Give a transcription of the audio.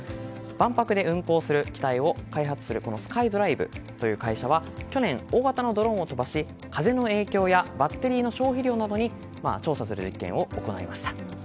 万博で運行する機体を開発するスカイドライブという会社は去年、大型のドローンを飛ばし風の影響やバッテリーの消費量などを調査する実験を行いました。